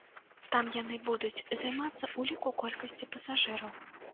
Там яны будуць займацца ўліку колькасці пасажыраў.